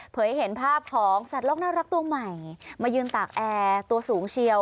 ให้เห็นภาพของสัตว์โลกน่ารักตัวใหม่มายืนตากแอร์ตัวสูงเชียว